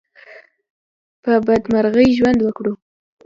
په بدمرغي ژوند وکړو.